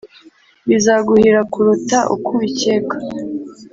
bizaguhira kuruta uko ubikeka